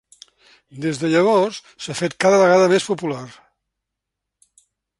Des de llavors, s'ha fet cada vegada més popular.